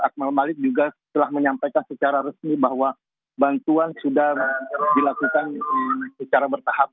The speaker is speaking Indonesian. akmal malik juga telah menyampaikan secara resmi bahwa bantuan sudah dilakukan secara bertahap